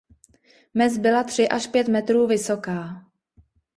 Mez byla tři až pět metrů vysoká.